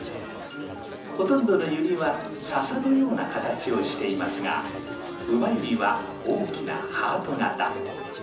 ほとんどのユリは笹のような形をしていますがウバユリは大きなハート形。